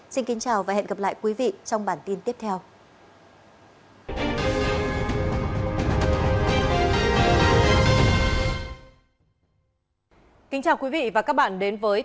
xin kính chào và hẹn gặp lại quý vị trong bản tin tiếp theo